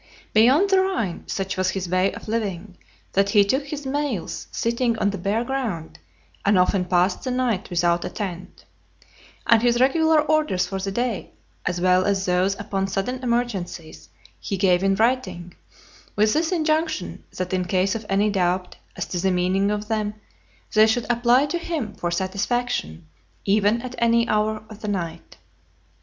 Beyond the Rhine, such was his way of living, that he took his meals sitting on the bare ground , and often passed the night without a tent; and his regular orders for the day, as well as those upon sudden emergencies, he gave in writing, with this injunction, that in case of any doubt as to the meaning of them, they should apply to him for satisfaction, even at any hour of the night.